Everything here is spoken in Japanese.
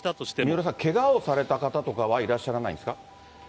三浦さん、けがをされた方とかはいらっしゃらないんですか。